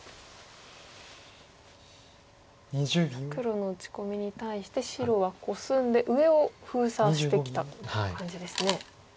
黒の打ち込みに対して白はコスんで上を封鎖してきた感じですね。